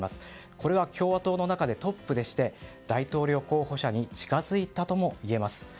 これは共和党の中でトップでして大統領候補者に近づいたともいえます。